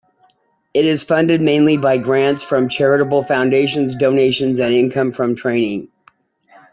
It is funded mainly by grants from charitable foundations, donations and income from training.